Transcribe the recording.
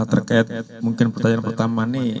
terkait mungkin pertanyaan pertama nih